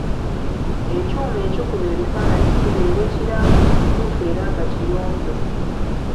Ekyuma ekikuba ebifaananyi kibeere kiramu, kituufu era nga kiyonjo.